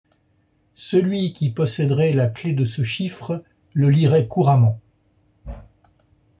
Celui qui posséderait la clef de ce « chiffre » le lirait couramment.